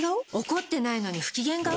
怒ってないのに不機嫌顔？